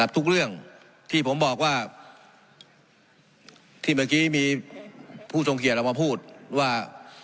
ทุกเรื่องที่ผมบอกว่าที่เมื่อกี้มีผู้ทรงเกียจออกมาพูดว่า